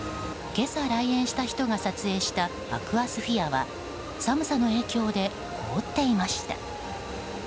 今朝、来園した人が撮影したアクアスフィアは寒さの影響で凍っていました。